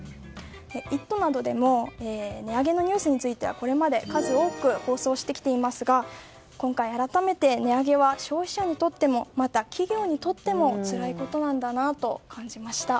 「イット！」などでも値上げのニュースについてはこれまで数多く放送してきていますが今回、改めて値上げは消費者にとってもまた企業にとってもつらいことだと感じました。